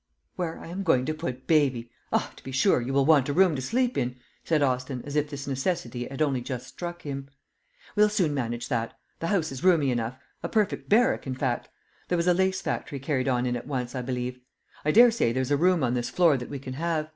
"Where I am going to put baby! Ah, to be sure, you will want a room to sleep in," said Austin, as if this necessity had only just struck him. "We'll soon manage that; the house is roomy enough, a perfect barrack, in fact. There was a lace factory carried on in it once, I believe. I daresay there's a room on this floor that we can have.